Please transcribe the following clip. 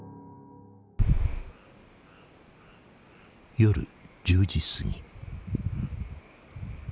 夜１０時過ぎ。